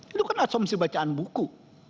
itu kan asumsi bacaan buku